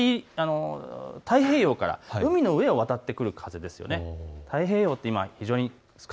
太平洋から海の上を渡ってくる風です。